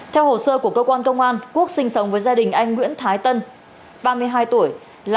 theo hồ sơ của cơ quan công an quốc sinh sống với gia đình anh nguyễn thái tân ba mươi hai tuổi